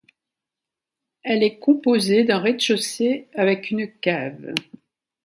Elle est composée d'un rez-de-chaussée avec une cave.